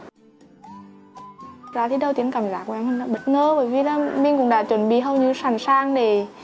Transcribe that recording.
ra thì đầu tiên cảm giác của em là bất ngờ bởi vì là mình cũng đã chuẩn bị hầu như sẵn sàng để